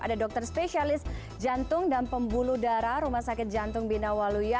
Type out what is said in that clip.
ada dokter spesialis jantung dan pembuluh darah rumah sakit jantung bina waluya